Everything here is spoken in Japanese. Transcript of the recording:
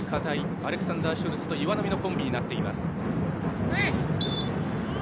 アレクサンダー・ショルツと岩波のコンビになっています。